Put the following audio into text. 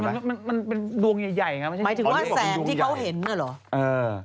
มันเป็นดวงใหญ่ไม่ถึงว่าแสงที่เขาเห็นน่ะหรอ